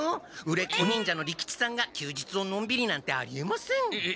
売れっ子忍者の利吉さんが休日をのんびりなんてありえません！